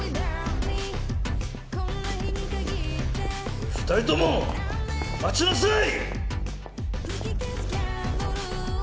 おい２人とも待ちなさい！